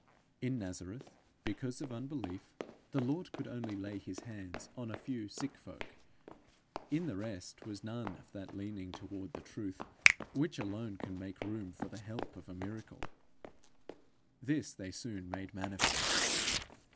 In Nazareth, because of unbelief, the Lord could only lay his hands on a few sick folk; in the rest was none of that leaning toward the truth, which alone can make room for the help of a miracle. This they soon made manifest.